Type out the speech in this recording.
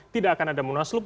tidak akan ada munaslup